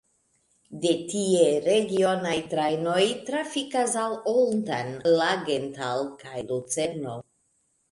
De tie regionaj trajnoj trafikas al Olten, Langenthal kaj Lucerno.